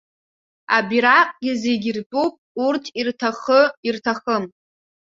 Абираҟгьы зегьы иртәуп, урҭ ирҭахы-ирҭахым.